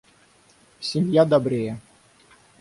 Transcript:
Семья добрее.